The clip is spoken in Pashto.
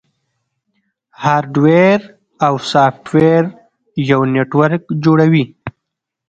هارډویر او سافټویر یو نیټورک جوړوي.